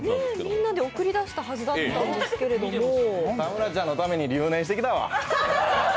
みんなで送り出したはずだったんですけども田村ちゃんのために留年してきたわ。